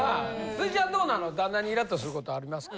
辻ちゃんどうなの旦那にイラッとすることありますか？